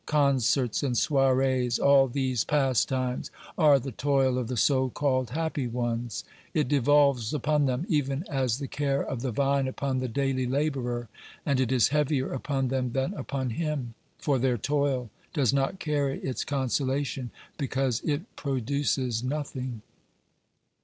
Concerts and soirees, all these pastimes, are the toil of the so called happy ones ; it de volves upon them, even as the care of the vine upon the daily labourer, and it is heavier upon them than upon him, for their toil docs not carry its consolation, because it produces nothing.